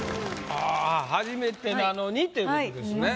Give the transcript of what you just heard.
初めてなのにっていうことですね。